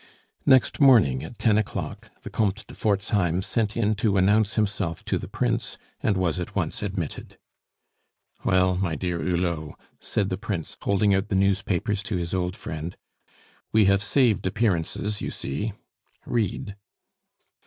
Next morning, at ten o'clock, the Comte de Forzheim sent in to announce himself to the Prince, and was at once admitted. "Well, my dear Hulot," said the Prince, holding out the newspapers to his old friend, "we have saved appearances, you see. Read."